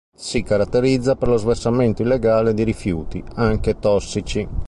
Si caratterizza per lo sversamento illegale di rifiuti, anche tossici.